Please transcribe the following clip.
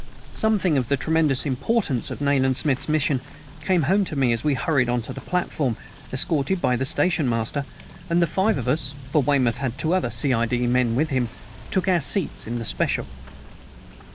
Something of the tremendous importance of Nayland Smith's mission came home to me as we hurried on to the platform, escorted by the station master, and the five of us for Weymouth had two other C.I.D. men with him took our seats in the special.